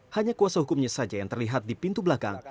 hanya kuasa hukumnya saja yang terlihat di pintu belakang